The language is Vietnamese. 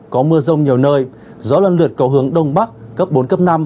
có mưa rông nhiều nơi gió lần lượt có hướng đông bắc cấp bốn cấp năm